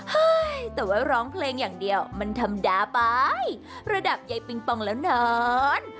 เฮ้ยแต่ว่าร้องเพลงอย่างเดียวมันธรรมดาไประดับใยปิงปองแล้วนอน